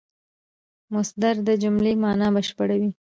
مصدر د جملې مانا بشپړوي.